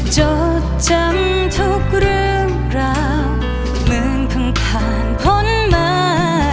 จดจำทุกเรื่องราวเหมือนเพิ่งผ่านพ้นมา